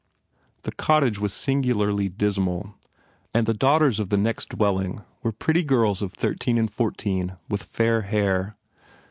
The cottage was sing ularly dismal and the daughters of the next dwell ing were pretty girls of thirteen and fourteen, with fair hair.